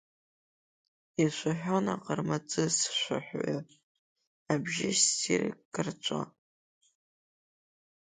Ишәаҳәон Аҟармаҵыс шәаҳәаҩы, абжьы ссир карҵәо.